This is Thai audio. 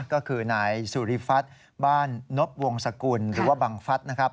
ก็คือนายสุริฟัฐบ้านนบวงสกุลหรือว่าบังฟัฐนะครับ